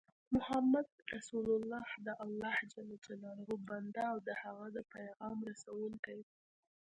محمد رسول الله دالله ج بنده او د د هغه پیغام رسوونکی دی